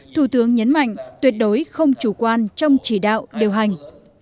thủ tướng nhấn mạnh tuyệt đối không chủ quan trong chỉ đạo điều hành